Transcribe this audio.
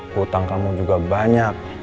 hutang kamu juga banyak